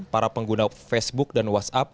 para pengguna facebook dan whatsapp